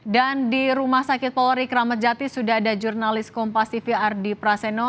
dan di rumah sakit polri keramat jati sudah ada jurnalis kompas tv ardi praseno